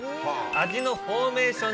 味のフォーメーション